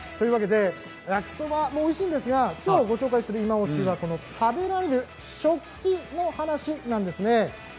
焼きそば、おいしいんですがきょうご紹介するいまオシは食べられる食器の話なんです。